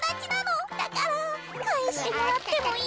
だからかえしてもらってもいい？